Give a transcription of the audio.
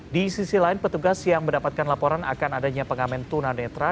di sisi lain petugas yang mendapatkan laporan akan adanya pengamen tunanetra